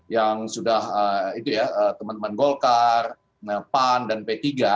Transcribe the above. yang sudah itu ya teman teman golkar pan dan p tiga